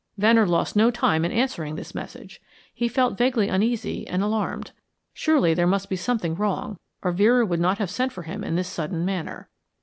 Venner lost no time in answering this message. He felt vaguely uneasy and alarmed. Surely, there must be something wrong, or Vera would not have sent for him in this sudden manner.